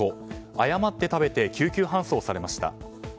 誤って食べて救急搬送されました。